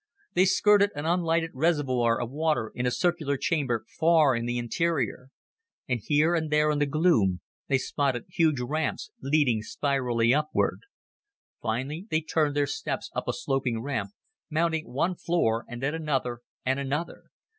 They skirted an unlighted reservoir of water in a circular chamber far in the interior. And here and there in the gloom, they spotted huge ramps leading spirally upward. Finally they turned their steps up a sloping ramp, mounting one floor and then another, and another.